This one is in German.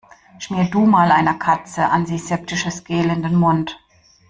Schmier du mal einer Katze antiseptisches Gel in den Mund.